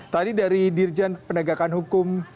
tadi dari dirjen penegakan hukum